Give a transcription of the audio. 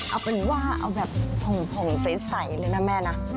เอาเป็นว่าเอาแบบผ่องใสเลยนะแม่นะ